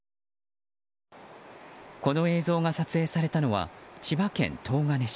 この映像が撮影されたのは千葉県東金市。